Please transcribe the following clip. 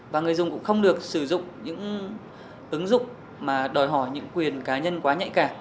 và người dùng cũng không được sử dụng những ứng dụng mà đòi hỏi những quyền cá nhân quá nhạy cảm